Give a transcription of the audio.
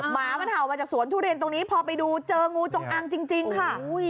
หมามันเห่ามาจากสวนทุเรียนตรงนี้พอไปดูเจองูจงอังจริงค่ะ